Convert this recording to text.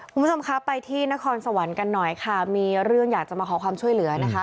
คุณผู้ชมคะไปที่นครสวรรค์กันหน่อยค่ะมีเรื่องอยากจะมาขอความช่วยเหลือนะคะ